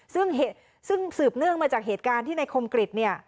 ซึ่งสืบเนื่องมาจากเหตุการณ์ที่ในคมกริจเนี่ย